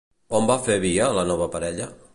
On va fer via la nova parella?